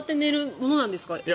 どうなんですか。